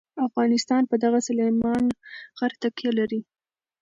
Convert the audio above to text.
افغانستان په دغه سلیمان غر تکیه لري.